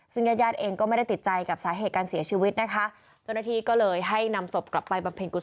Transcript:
ซึ่งกับญาติเองก็ไม่ได้ติดใจกับสาเหตุการเสียชีวิตนะคะ